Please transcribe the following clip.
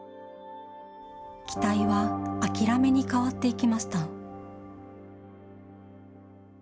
期待は諦めに変わっていきました。